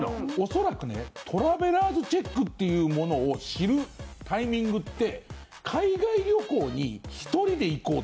恐らくねトラベラーズチェックっていうものを知るタイミングって。